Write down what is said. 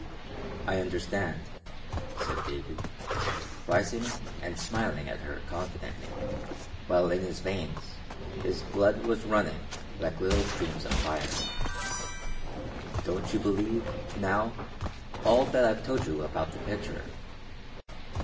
"I understand," said David, rising and smiling at her confidently, while in his veins his blood was running like little streams of fire. "Don't you believe, now, all that I've told you about the picture?